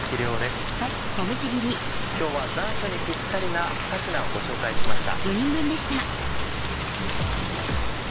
今日は残暑にピッタリなふた品をご紹介しました。